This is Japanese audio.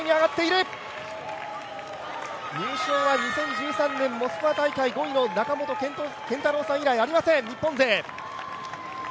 日本の入賞はモスクワ大会５位の中本健太郎さん以来ありません日本勢。